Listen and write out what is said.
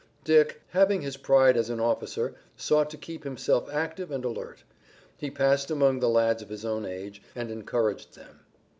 Dick, having his pride as an officer, sought to keep himself active and alert. He passed among the lads of his own age, and encouraged them.